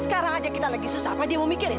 sekarang aja kita lagi susah apa dia mau mikirin